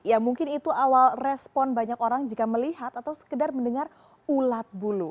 ya mungkin itu awal respon banyak orang jika melihat atau sekedar mendengar ulat bulu